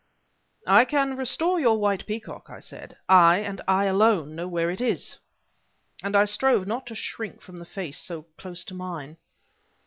"I can restore your white peacock," I said; "I and I alone, know where it is!" and I strove not to shrink from the face so close to mine.